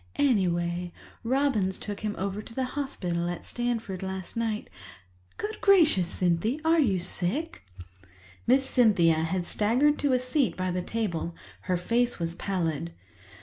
Anyway, Robins took him over to the hospital at Stanford last night—good gracious, Cynthy, are you sick?" Miss Cynthia had staggered to a seat by the table; her face was pallid.